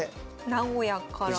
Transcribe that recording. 名古屋から。